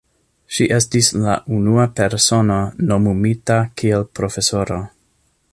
Ŝi estis la unua persono nomumita kiel profesoro.